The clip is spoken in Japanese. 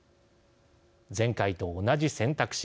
前回と同じ選択肢